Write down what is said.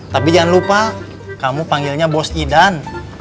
tapi jangan lupa kamu panggilnya bos idan